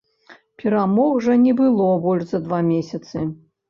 Перамог жа не было больш за два месяцы.